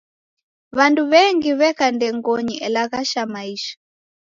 W'andu w'endi w'eka ndengonyi elaghasha maisha.